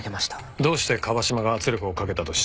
どうして椛島が圧力をかけたと知った？